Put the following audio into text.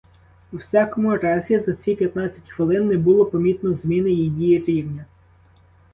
У всякому разі за ці п'ятнадцять хвилин не було помітно зміни її рівня.